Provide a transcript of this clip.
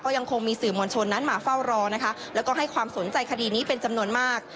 ยังคงมีสื่อมวลชนนั้นมาเฝ้ารอนะคะแล้วก็ให้ความสนใจคดีนี้เป็นจำนวนมาก